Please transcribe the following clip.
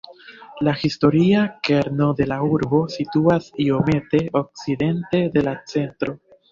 La historia kerno de la urbo situas iomete okcidente de la centro.